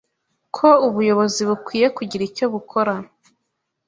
ko ubuyobozi bukwiye kugira icyo bukora